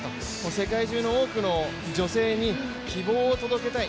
世界中の多くの女性に希望を届けたい。